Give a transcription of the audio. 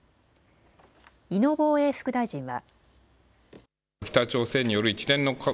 井野防衛副大臣は。